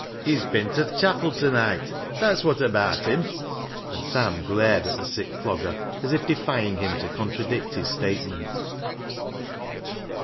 " He's bin ta th' chapel ta neet ; that's wot abaat him," and Sam glared at the sick Clogger as if defying him to contradict his statement.